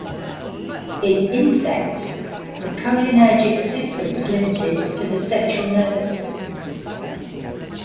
In insects, the cholinergic system is limited to the central nervous system.